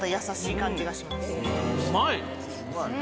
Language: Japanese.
うまい！